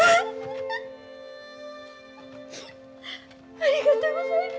ありがとうございます。